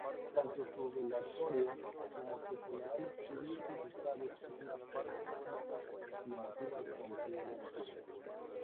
Tanto su velatorio como su funeral estuvieron marcados por una profusa y emotiva concurrencia.